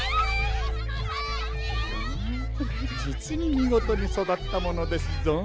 うんじつにみごとにそだったものですゾン。